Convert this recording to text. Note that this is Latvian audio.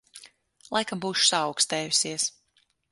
Laikam būšu saaukstējusies.